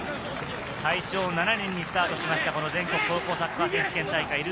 大正７年にスタートしました全国高校サッカー選手権大会。